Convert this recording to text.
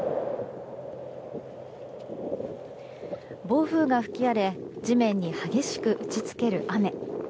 暴風が吹き荒れ地面に激しく打ち付ける雨。